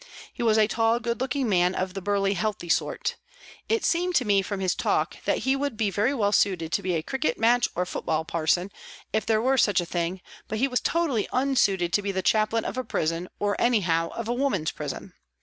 He was a tall, good looking man, of the burly, healthy sort. It seemed to me, from his talk, that he would be very well suited to be a cricket match or football parson, if there were such a thing, but he was totally unsuited to be the Chaplain of a prison, or anyhow of a woman's prison.